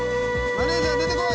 マネジャー出てこい！